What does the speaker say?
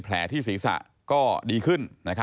ที่ศีรษะก็ดีขึ้น